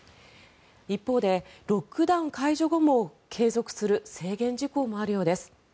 一方でロックダウン解除後も継続する制限事項もあるようです。